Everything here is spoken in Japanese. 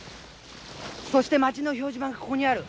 そして町の表示板がここにある。